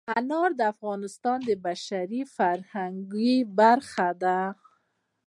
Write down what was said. انار د افغانستان د بشري فرهنګ برخه ده.